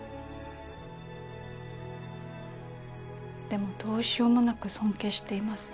でもどうしようもなく尊敬しています。